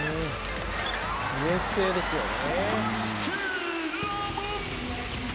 冷静ですよね。